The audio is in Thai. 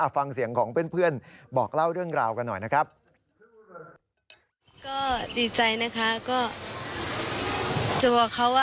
ฟังเสียงของเพื่อนบอกเล่าเรื่องราวกันหน่อยนะครับ